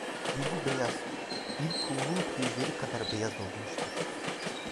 Yüzü beyaz, bir kuğunun tüyleri kadar beyaz olmuştu.